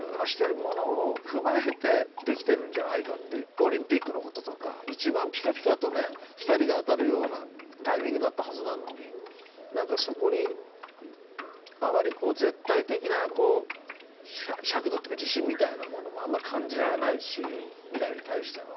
オリンピックのこととか一番ピカピカとね光が当たるようなタイミングだったはずなのに何かそこにあまりこう絶対的な尺度というか自信みたいなものもあまり感じられないし未来に対しての。